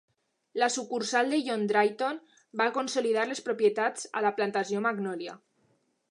La sucursal de John Drayton va consolidar les propietats a la Plantació Magnolia.